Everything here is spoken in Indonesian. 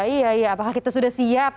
iya iya apakah kita sudah siap